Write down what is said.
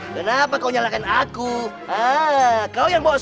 kenapa kau nyalakan jalan goh